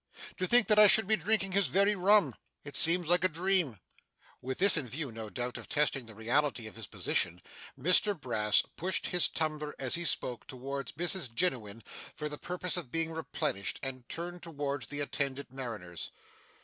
To think that I should be drinking his very rum! It seems like a dream.' With the view, no doubt, of testing the reality of his position, Mr Brass pushed his tumbler as he spoke towards Mrs Jiniwin for the purpose of being replenished; and turned towards the attendant mariners.